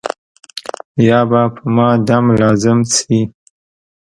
یا به په ما دم لازم شي.